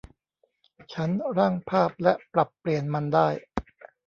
ฉันร่างภาพและปรับเปลี่ยนมันได้